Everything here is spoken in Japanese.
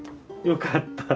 「よかった」。